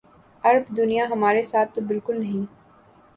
عرب دنیا ہمارے ساتھ تو بالکل نہیں۔